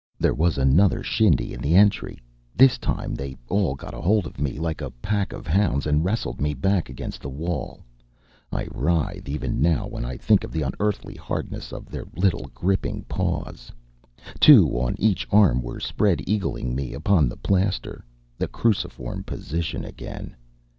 There was another shindy in the entry; this time they all got hold of me, like a pack of hounds, and wrestled me back against the wall. I writhe even now when I think of the unearthly hardness of their little gripping paws. Two on each arm were spread eagling me upon the plaster. The cruciform position again!